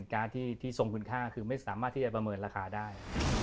การ์ดที่ทรงคุณค่าคือไม่สามารถที่จะประเมินราคาได้